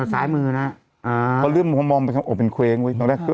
สายมือนะอ่าเค้าลืมมองมองเป็นควรเป็นเควงเว้ยตอนแรก